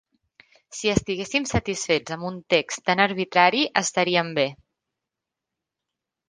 Si estiguéssim satisfets amb un text tan arbitrari, estaríem bé.